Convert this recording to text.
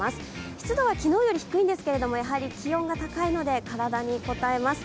湿度は昨日より低いんですけれども、気温が高いので、体にこたえます。